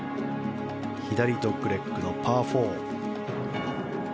左ドッグレッグのパー４。